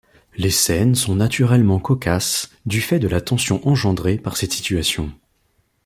Les scènes sont naturellement cocasses du fait de la tension engendrée par cette situation.